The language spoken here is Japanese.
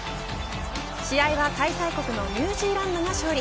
試合は開催国のニュージーランドが勝利。